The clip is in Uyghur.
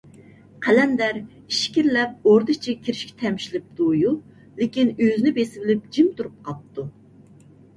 قەلەندەر ئىچكىرىلەپ ئوردا ئىچىگە كىرىشكە تەمشىلىپتۇ - يۇ، لېكىن ئۆزىنى بېسىۋېلىپ جىم تۇرۇپ قاپتۇ.